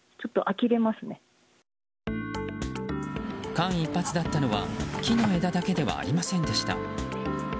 間一髪だったのは木の枝だけではありませんでした。